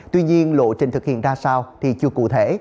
tuy nhiên lộ trình thực hiện ra sao thì chưa cụ thể